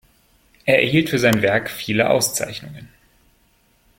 Er erhielt für sein Werk viele Auszeichnungen.